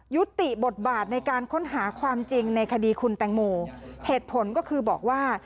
ยุติบทบาทในการค้นหาความจริงในคดีคุณแตงโมเหตุผลก็คือบอกว่า